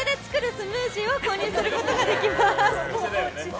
スムージーを購入することができます。